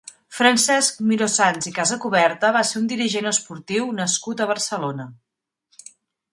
Francesc Miró-Sans i Casacuberta va ser un dirigent esportiu nascut a Barcelona.